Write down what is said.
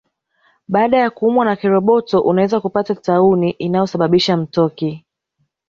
Baada ya kuumwa na kiroboto unaweza kupata tauni inayosababisha mtoki